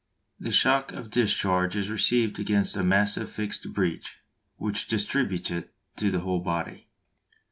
The shock of discharge is received against a massive fixed breech, which distributes it to the whole body.